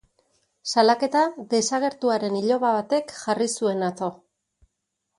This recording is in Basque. Salaketa desagertuaren iloba batek jarri zuen atzo.